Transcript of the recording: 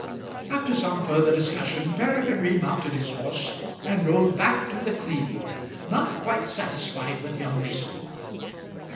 After some further discussion Peregrine remounted his horse, and rode back to The Cleeve, not quite satisfied with young Mason.